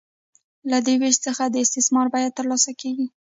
له دې وېش څخه د استثمار بیه ترلاسه کېږي